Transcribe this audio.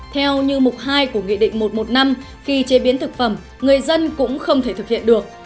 theo như mục hai của nghị định một trăm một mươi năm khi chế biến thực phẩm người dân cũng không thể thực hiện được